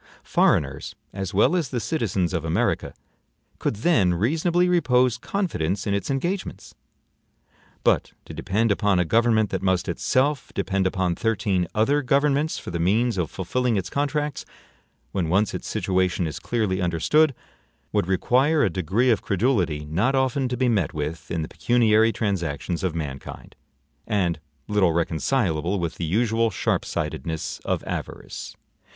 Foreigners, as well as the citizens of America, could then reasonably repose confidence in its engagements; but to depend upon a government that must itself depend upon thirteen other governments for the means of fulfilling its contracts, when once its situation is clearly understood, would require a degree of credulity not often to be met with in the pecuniary transactions of mankind, and little reconcilable with the usual sharp sightedness of avarice.